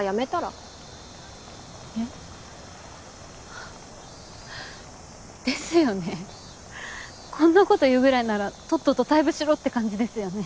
あですよねこんなこと言うぐらいならとっとと退部しろって感じですよね。